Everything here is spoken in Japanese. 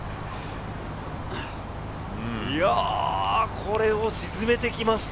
これを沈めてきました。